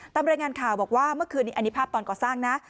ตามรายงานข่าวบอกว่าเมื่อคืนนี้อันนี้ภาพตอนก่อสร้างนะ